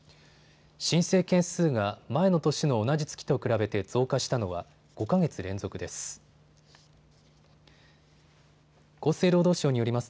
申請件数が前の年の同じ月と比べて増加したのは５か月連続です。